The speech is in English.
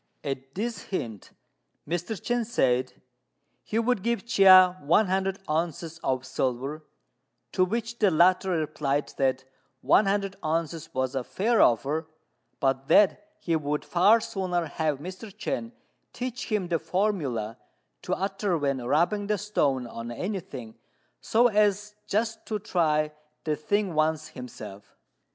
At this hint Mr. Chên said he would give Chia one hundred ounces of silver; to which the latter replied that one hundred ounces was a fair offer, but that he would far sooner have Mr. Chên teach him the formula to utter when rubbing the stone on anything, so as just to try the thing once himself.